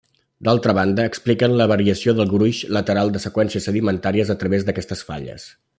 D'altra banda, expliquen la variació del gruix lateral de seqüències sedimentàries a través d'aquestes falles.